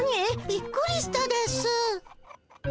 びっくりしたですぅ。